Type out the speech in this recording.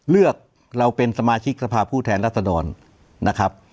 เลือกเราเป็นสมาชิกสภาพผู้แทนรัศดรนะครับ